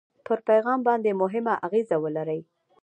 پر پیغام باندې مهمه اغېزه ولري.